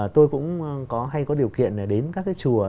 tôi cũng hay có điều kiện là đến các cái chùa